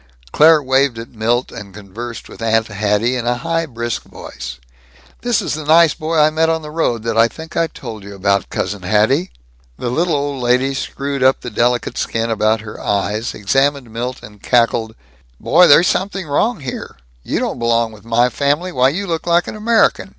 Claire waved at Milt and conversed with Aunt Hatty in a high brisk voice: "This is the nice boy I met on the road that I think I told you about, Cousin Hatty." The little old lady screwed up the delicate skin about her eyes, examined Milt, and cackled, "Boy, there's something wrong here. You don't belong with my family. Why, you look like an American.